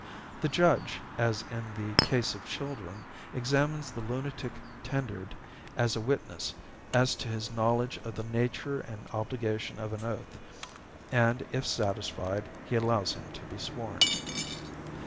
The judge, as in the case of children, examines the lunatic tendered as a witness as to his knowledge of the nature and obligation of an oath, and, if satisfied, he allows him to be sworn.